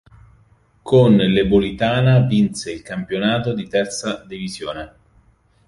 Con l'Ebolitana vinse il campionato di Terza Divisione.